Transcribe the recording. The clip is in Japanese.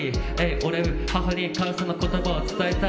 俺、母に感謝の言葉を伝えたい。